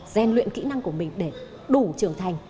gian luyện kỹ năng của mình để đủ trưởng thành